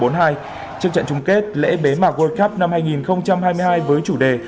trước trận chung kết lễ bế mạc world cup năm hai nghìn hai mươi hai với chủ đề